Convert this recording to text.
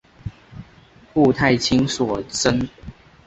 顾太清所生。